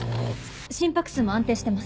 心拍数も安定してます。